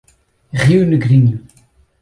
Rio Negrinho